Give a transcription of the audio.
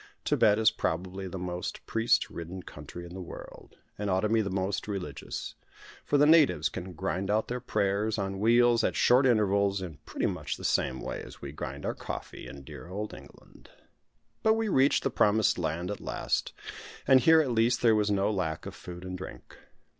Thibet is probably the most priest ridden country in the world, and ought to be the most religious; for the natives can grind out their prayers, on wheels, at short intervals, in pretty much the same way as we grind our coffee in dear old England. But we reached the promised land at last; and here at least there was no lack of food and drink.